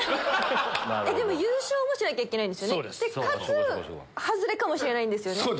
優勝もしなきゃいけないんですねかつ外れかもしれないんですね。